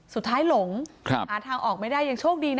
หลงหาทางออกไม่ได้ยังโชคดีนะ